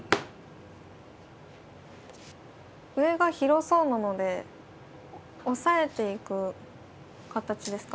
上が広そうなので押さえていく形ですか？